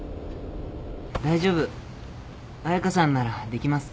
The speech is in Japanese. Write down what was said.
大丈夫彩佳さんならできます。